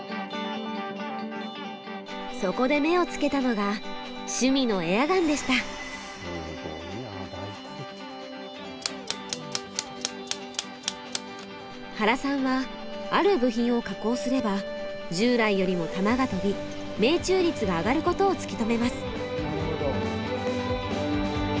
そこで目をつけたのが趣味の原さんはある部品を加工すれば従来よりも弾が飛び命中率が上がることを突き止めます。